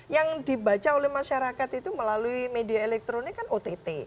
yang dibaca oleh masyarakat itu melalui media elektronik kan ott